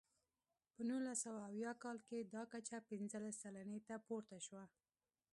په نولس سوه اویا کال کې دا کچه پنځلس سلنې ته پورته شوه.